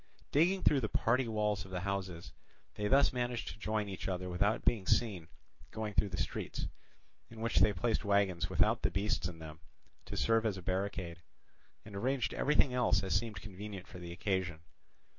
Digging through the party walls of the houses, they thus managed to join each other without being seen going through the streets, in which they placed wagons without the beasts in them, to serve as a barricade, and arranged everything else as seemed convenient for the occasion.